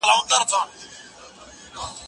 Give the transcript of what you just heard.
منډه د لوبغاړي له خوا وهل کيږي!.